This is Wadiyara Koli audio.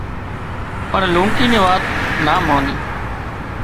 پڻ لونڪي نِي وات نا ماني